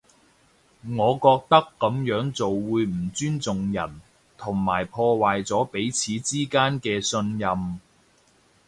我覺得噉樣做會唔尊重人，同埋破壞咗彼此之間嘅信任